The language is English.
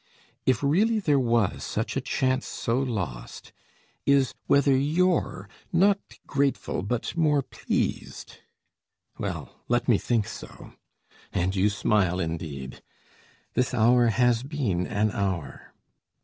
If really there was such a chance so lost, Is, whether you're not grateful but more pleased. Well, let me think so. And you smile indeed! This hour has been an hour!